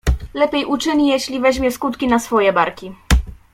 Lepiej uczyni, jeśli weźmie skutki na swoje barki.